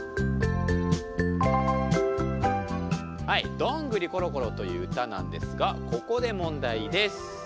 「どんぐりころころ」という歌なんですがここで問題です。